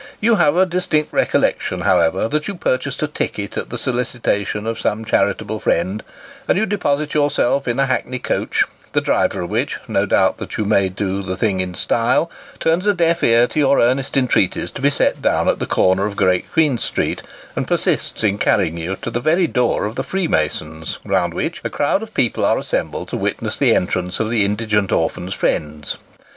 You have a distinct recollection, however, that you pur chased a ticket at the solicitation of some charitable friend : and you deposit yourself in a hackney coach, the driver of which no doubt that you may do the thing in style turns a deaf ear to your earnest entreaties to be set down at the corner of Great Queen Street, and persists in carrying you to the very door of the Freemasons', round which a crowd of people are assembled to witness the entrance of the indigent orphans' friends.